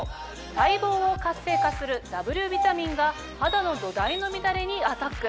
細胞を活性化するＷビタミンが肌の土台の乱れにアタック。